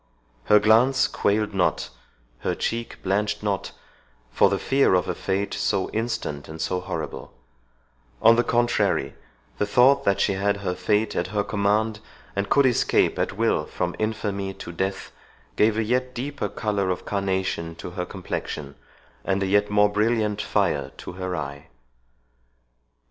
Her glance quailed not, her cheek blanched not, for the fear of a fate so instant and so horrible; on the contrary, the thought that she had her fate at her command, and could escape at will from infamy to death, gave a yet deeper colour of carnation to her complexion, and a yet more brilliant fire to her eye.